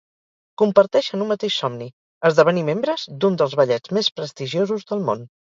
Comparteixen un mateix somni: esdevenir membres d'un dels ballets més prestigiosos del món.